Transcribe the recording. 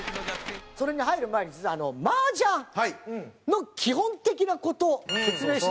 それに入る前に実は麻雀の基本的な事説明しないと。